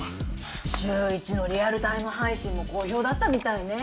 週１のリアルタイム配信も好評だったみたいね。